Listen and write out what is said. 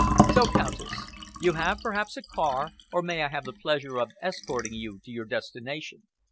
So, Countess! You have perhaps a car, or may I have the pleasure of escorting you to your destination?"